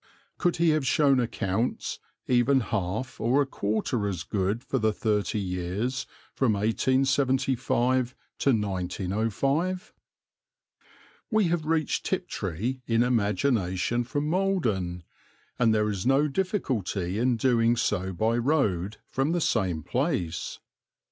Could he have shown accounts even half or a quarter as good for the thirty years from 1875 to 1905? We have reached Tiptree in imagination from Maldon, and there is no difficulty in doing so by road from the same place.